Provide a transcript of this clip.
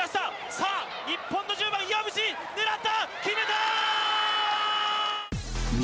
さあ、日本の１０番、岩渕狙った！